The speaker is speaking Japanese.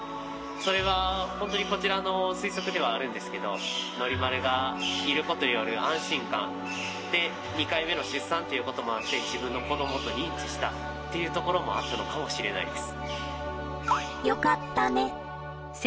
それは本当にこちらの推測ではあるんですけどノリマルがいることによる安心感で２回目の出産っていうこともあって自分の子どもと認知したっていうところもあったのかもしれないです。